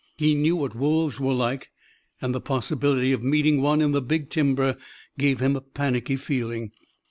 He knew what wolves were like, and the possibility of meeting one in the big timber gave him a panicky feeling.